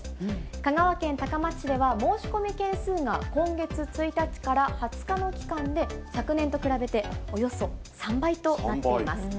香川県高松市では、申し込み件数が今月１日から２０日の期間で昨年と比べておよそ３倍となっています。